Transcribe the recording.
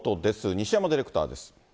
西山ディレクターです。